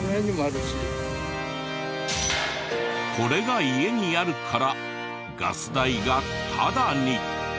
これが家にあるからガス代がタダに！